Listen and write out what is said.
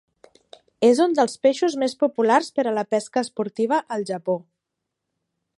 És un dels peixos més populars per a la pesca esportiva al Japó.